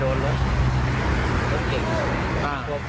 ส่วนสองตายายขี่จักรยานยนต์อีกคันหนึ่งก็เจ็บถูกนำตัวส่งโรงพยาบาลสรรค์กำแพง